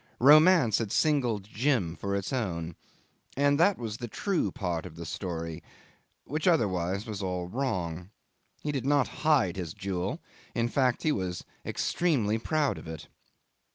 Romance had singled Jim for its own and that was the true part of the story, which otherwise was all wrong. He did not hide his jewel. In fact, he was extremely proud of it.